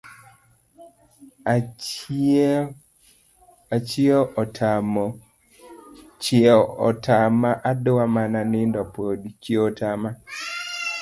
Chieo otama adwa mana nindo podi